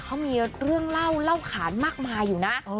เขามีเรื่องเล่าเล่าขานมากมายอยู่นะ